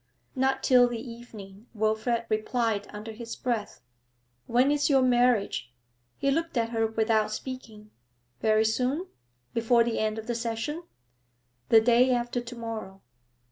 'Not till the evening,' Wilfrid replied under his breath. 'When is your marriage?' He looked at her without speaking. 'Very soon? Before the end of the session?' 'The day after to morrow.'